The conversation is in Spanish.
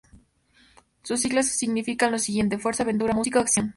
Sus siglas significan lo siguiente: Fuerza, Aventura, Música, Acción.